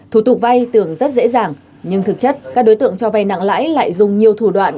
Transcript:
thủ tục vay thường rất dễ dàng nhưng thực chất các đối tượng cho vay nặng lãi lại dùng nhiều thủ đoạn